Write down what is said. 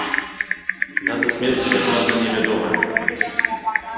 Дата смерці дакладна не вядомая.